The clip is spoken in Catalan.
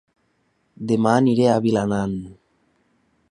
Dema aniré a Vilanant